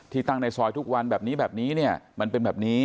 อ๋อที่ตั้งในซอยทุกวันแบบนี้มันเป็นแบบนี้